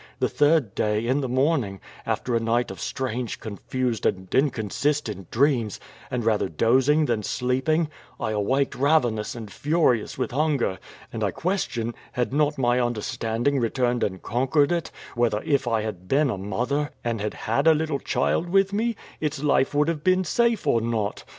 The third day, in the morning, after a night of strange, confused, and inconsistent dreams, and rather dozing than sleeping, I awaked ravenous and furious with hunger; and I question, had not my understanding returned and conquered it, whether if I had been a mother, and had had a little child with me, its life would have been safe or not.